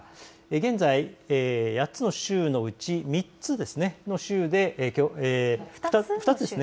現在、８つの州のうち３つの州で、失礼しました。